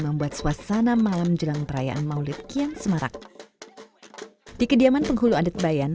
membuat suasana malam jelang perayaan maulid kian semarak di kediaman penghulu adat bayan